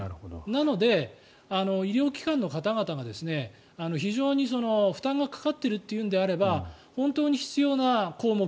なので、医療機関の方々に非常に負担がかかっているというのであれば本当に必要な項目